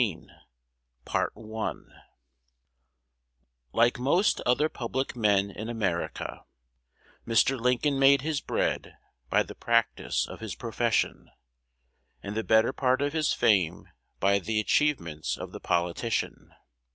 CHAPTER XIII LIKE most other public men in America, Mr. Lincoln made his bread by the practice of his profession, and the better part of his fame by the achievements of the politician.